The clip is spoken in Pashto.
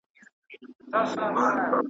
هره دښته يې ميوند دی .